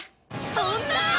そんな！